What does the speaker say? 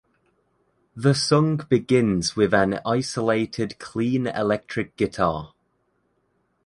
The song begins with an isolated clean electric guitar.